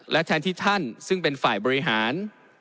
และแทนที่ท่านซึ่งเป็นฝ่ายบริหาร